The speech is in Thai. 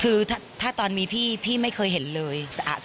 คือถ้าตอนมีพี่พี่ไม่เคยเห็นเลย